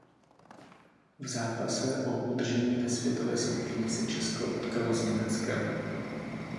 V zápase o udržení ve Světové skupině se Česko utkalo s Německem.